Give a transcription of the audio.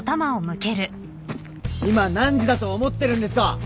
今何時だと思ってるんですか！